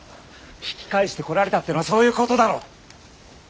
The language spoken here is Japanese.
引き返してこられたっていうのはそういうことだろ。